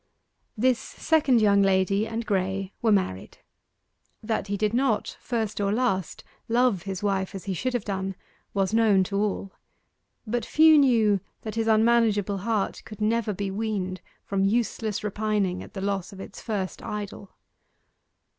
This second young lady and Graye were married. That he did not, first or last, love his wife as he should have done, was known to all; but few knew that his unmanageable heart could never be weaned from useless repining at the loss of its first idol.